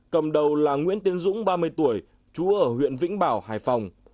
cầm đầu là nguyễn tiến dũng ba mươi tuổi chú ở huyện vĩnh bảo hải phòng